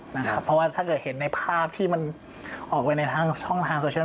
เพราะว่าถ้าเกิดเห็นในภาพที่มันออกไปในทางช่องทางโซเชียล